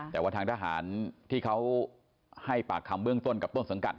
แต่ว่าทางทหารที่เขาให้ปากคำเบื้องต้นกับต้นสังกัด